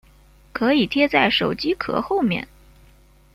可以贴在手机壳后面